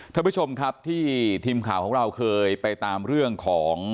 ท่านผู้ชมครับที่ทีมข่าวของเราเคยไปตามเรื่องของ